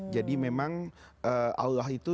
jadi memang allah itu